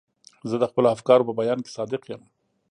زه د خپلو افکارو په بیان کې صادق یم.